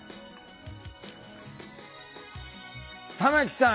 玉木さん